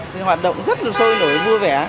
thì hoạt động rất là sôi nổi vui vẻ